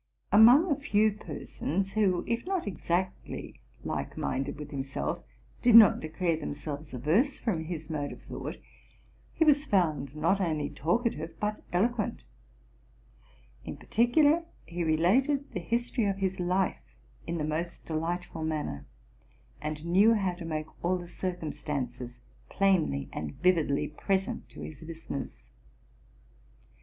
Among a few persons, who, if not exactly like minded with himself, did not declare them selves averse from his mode of thought, he was found, not only talkative but eloquent: in particular, he related the history of his life in the most delightful manner, and knew how to make all the circumstances plainly and vividly pres ent to his listeners.